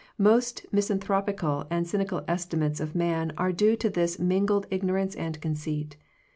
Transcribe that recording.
Most mis* anthropical and cynical estimates of man are due to this mingled ignorance and conceit.